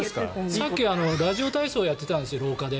さっきラジオ体操やってたんですよ、廊下で。